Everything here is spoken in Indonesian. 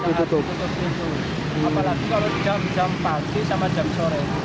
apalagi kalau jam pagi sama jam sore